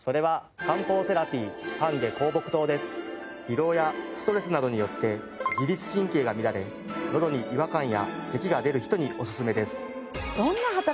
疲労やストレスなどによって自律神経が乱れのどに違和感やせきが出る人におすすめです。